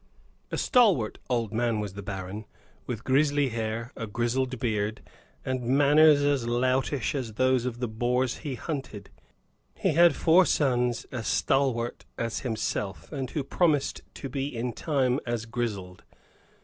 A stalwart old man was the baron, with grizzly hair, a grizzled beard, and manners as loutish as those of the boars he hunted. He had four sons as stalwart as himself, and who promised to be in time as grizzled.